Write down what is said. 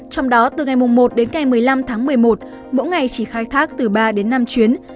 trong đó từ ngày một một mươi năm một mươi một mỗi ngày chỉ khai thác từ ba năm chuyến